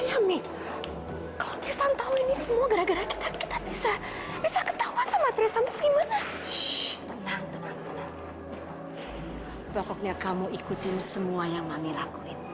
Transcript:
ai uhh hai tubo kosong sama kita kita bisa bisa ketahuan sama presiden